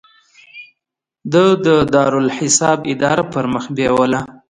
د دارالاحساب اداره پرمخ بیوله.